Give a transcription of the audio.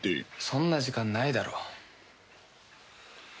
そんな時間ないだろ。